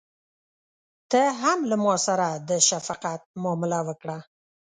ته هم له ماسره د شفقت معامله وکړه.